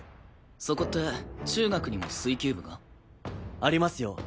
そこって中学にも水球部が？ありますよ。